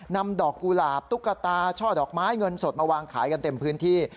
นำดอกกุหลาบตุ๊กตาช่อดอกไม้เงินสดมาวางขายกันเต็มพื้นที่